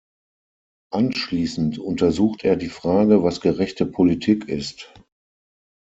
Anschließend untersucht er die Frage, was gerechte Politik ist.